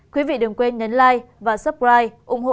quý vị đừng quên nhấn like và subscribe